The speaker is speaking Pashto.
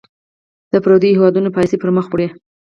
د پرديـو هېـوادونـو پالسـي پـر مــخ وړي .